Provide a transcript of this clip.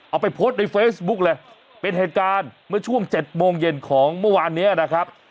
เอาไปโพสต์ในเฟซบุ๊กเลยเป็นเหตุการณ์เมื่อช่วง๗โมงเย็นของเมื่อวานนี้นะครับ